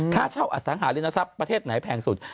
ค่าเช่าอสังหารินทรัพย์ประเทศไหนแพงสุด